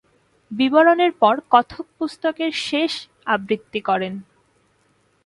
বিবরণের পর কথক পুস্তকের শেষ আবৃত্তি করেন।